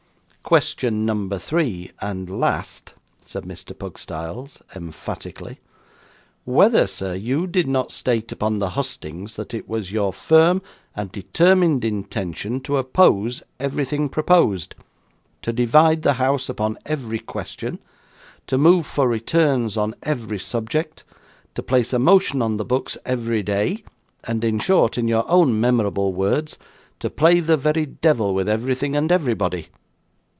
'Question number three and last,' said Mr. Pugstyles, emphatically. 'Whether, sir, you did not state upon the hustings, that it was your firm and determined intention to oppose everything proposed; to divide the house upon every question, to move for returns on every subject, to place a motion on the books every day, and, in short, in your own memorable words, to play the very devil with everything and everybody?